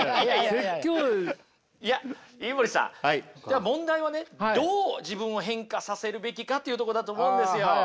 いや飯森さん問題はねどう自分を変化させるべきかというとこなんだと思うんですよ。